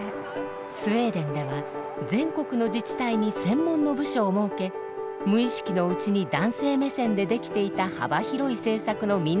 スウェーデンでは全国の自治体に専門の部署を設け無意識のうちに男性目線で出来ていた幅広い政策の見直しを進めています。